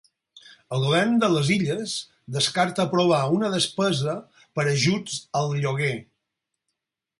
El govern de les Illes descarta aprovar una despesa per ajuts al lloguer